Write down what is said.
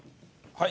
はい。